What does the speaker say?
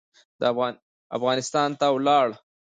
افغانستان ته ولاړ.